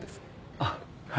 あっはい。